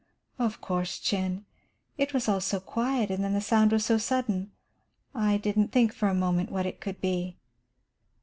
"Of course, Chin. It was all so quiet, and then the sound was so sudden, I didn't think for a moment what it could be."